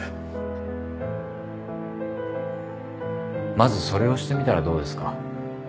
まずそれをしてみたらどうですか？